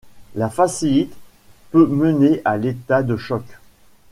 La fasciite peut mener à l'état de choc.